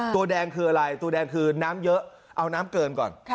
ตัวแดงคืออะไรตัวแดงคือน้ำเยอะเอาน้ำเกินก่อน